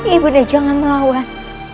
ibu nda jangan melawan